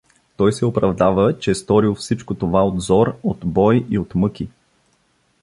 Той се оправдава, че сторил всичко това от зор, от бой и от мъки.